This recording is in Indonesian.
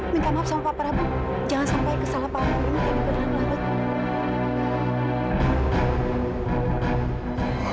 minta maaf sama pak prabu